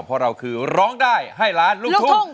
เพราะเราคือร้องได้ให้ล้านลูกทุ่ง